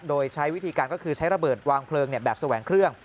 โดยใช้วิธีการก็คือใช้ระเบิดวางเพลิงแบบแสวงเครื่อง